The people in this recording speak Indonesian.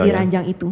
masih di ranjang itu